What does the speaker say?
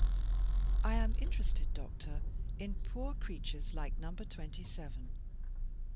" I am interested, doctor, in poor creatures like Number Twenty seven."